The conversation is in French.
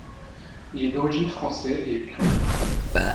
Il est d'origine français et ukrainien.